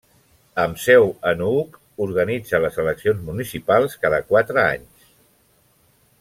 Amb seu a Nuuk, organitza les eleccions municipals cada quatre anys.